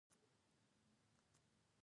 ټکنالوژي پرمختګ د تعلیم لار پراخوي.